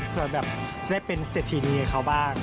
เพื่อแบบจะได้เป็นเศรษฐีนีให้เขาบ้าง